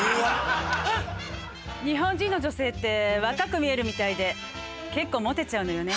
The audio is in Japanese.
日本人の女性って若く見えるみたいで結構モテちゃうのよね。